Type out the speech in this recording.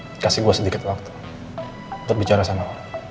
beri saya sedikit waktu untuk bicara sama kamu